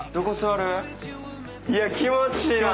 いや気持ちいいな。